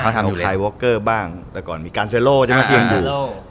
เอาคลายวอคเกอร์บ้างแต่ก่อนมีการเซโร่จังหวะเตียงดู